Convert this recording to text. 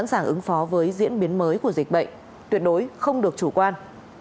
đều đang ứng phó với diễn biến mới của dịch bệnh tuyệt đối không được chủ quan